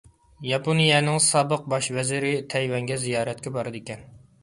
ياپونىيەنىڭ سابىق باش ۋەزىرى تەيۋەنگە زىيارەتكە بارىدىكەن.